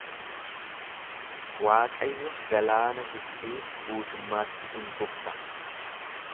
Waaqayyo galaana Gibxii guutummaatti in gubsa.